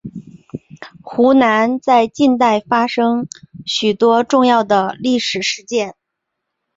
湖南在近代发生许多重要的历史事件。